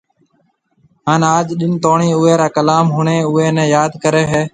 هان اج ڏن توڻي اوئي را ڪلام ۿڻي اوئي ني ياد ڪري هي